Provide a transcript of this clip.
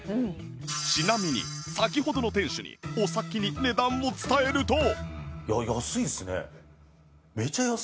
ちなみに先ほどの店主にお先に値段を伝えると